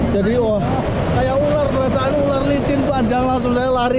jadi kayak ular perasaan ular licin panjang langsung aja lari